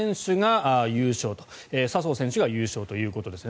笹生選手が優勝ということですね。